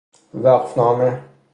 وقف نامه